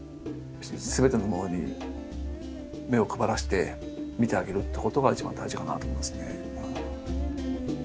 すべてのものに目を配らせて見てあげるってことが一番大事かなと思いますね。